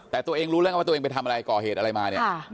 แต่ตัวเองรู้แล้วไงว่าตัวเองไปทำอะไรก่อเหตุอะไรมาเนี่ย